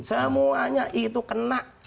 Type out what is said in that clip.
semuanya itu kena